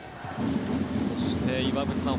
そして、岩渕さん